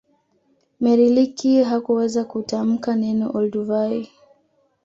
Mary leakey hakuweza kutamka neno olduvai